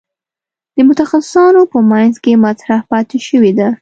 د متخصصانو په منځ کې مطرح پاتې شوې ده.